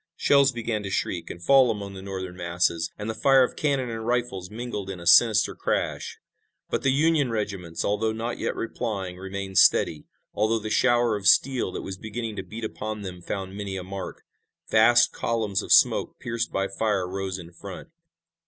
Shells began to shriek and fall among the Northern masses, and the fire of cannon and rifles mingled in a sinister crash. But the Union regiments, although not yet replying, remained steady, although the shower of steel that was beginning to beat upon them found many a mark. Vast columns of smoke pierced by fire rose in front.